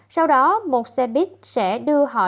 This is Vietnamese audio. sau đó một xe buýt sẽ đưa họ đến sân bay